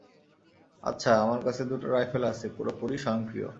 আচ্ছা, আমার কাছে দুটো রাইফেল আছে, পুরোপুরি স্বয়ংক্রিয়।